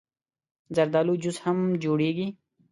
زردالو جوس هم جوړېږي.